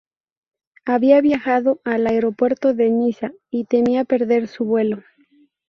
Había viajado al aeropuerto de Niza y temía perder su vuelo.